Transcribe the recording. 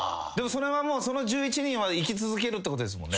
それはもうその１１人は生き続けるってことですもんね。